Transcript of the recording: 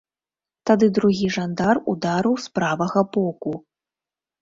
Тады другі жандар ударыў з правага боку.